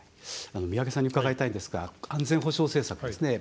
宮家さんに伺いたいんですが安全保障政策ですね。